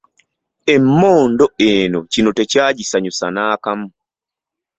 Emmondo eno, kino tekyagisanyusa n'akamu .